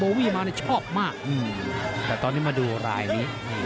โบวี่มันชอบมากแต่ตอนนี้มาดูรายสิ่งนี้